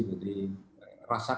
jadi rasa kamar